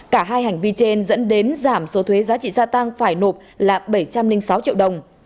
cả hai hành vi trên dẫn đến giảm số thuế giá trị gia tăng phải nộp là bảy trăm linh sáu triệu đồng